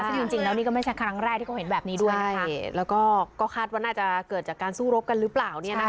ซึ่งจริงแล้วนี่ก็ไม่ใช่ครั้งแรกที่เขาเห็นแบบนี้ด้วยนะคะแล้วก็คาดว่าน่าจะเกิดจากการสู้รบกันหรือเปล่าเนี่ยนะคะ